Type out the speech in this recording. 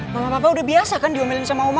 mama papa udah biasa kan diomelin sama oma